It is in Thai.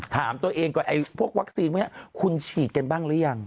ถามตัวเองก่อนไอ้พวกวัคซีนพวกนี้คุณฉีดกันบ้างหรือยัง